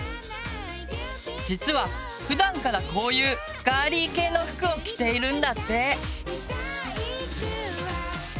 実はふだんからこういうガーリー系の服を着ているんだって。